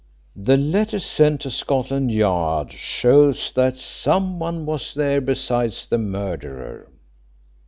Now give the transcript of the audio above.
"The letter sent to Scotland Yard shows that some one was there besides the murderer.